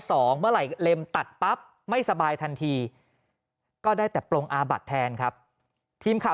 เมื่อไหร่เล็มตัดปั๊บไม่สบายทันทีก็ได้แต่ปรงอาบัดแทนครับทีมข่าว